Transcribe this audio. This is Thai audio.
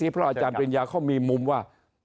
เพราะอาจารย์ปริญญาเขามีมุมว่า